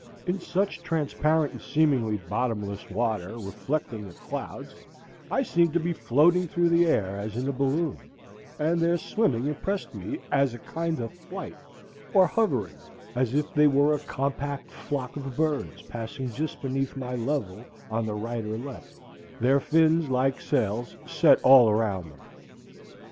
In such transparent and seemingly bottomless water, reflecting the clouds, I seemed to be floating through the air as in a balloon, and their swimming impressed me as a kind of flight or hovering, as if they were a compact flock of birds passing just beneath my level on the right or left, their fins, like sails, set all around them.